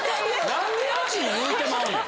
何で家賃言うてまうの？